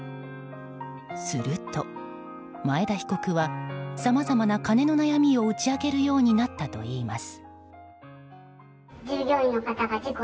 すると、前田被告はさまざまな金の悩みを打ち明けるようになったといいます。